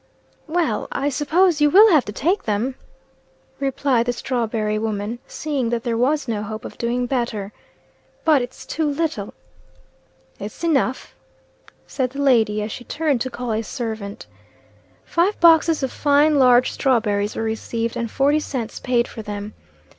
"Well, I suppose you will have to take them," replied the strawberry woman, seeing that there was no hope of doing better. "But it's too little." "It's enough," said the lady, as she turned to call a servant. Five boxes of fine large strawberries were received, and forty cents paid for them.